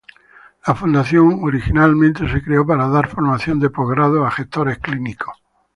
La Fundación originalmente se creó para dar formación de postgrado a gestores clínicos.